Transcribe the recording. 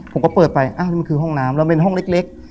ผมก็เปิดไปอ้าวนี่มันคือห้องน้ำแล้วเป็นห้องเล็ก